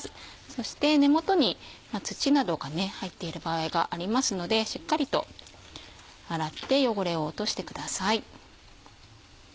そして根元に土などが入っている場合がありますのでしっかりと洗って汚れを落としてください。